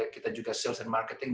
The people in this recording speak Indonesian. kita juga sales and marketing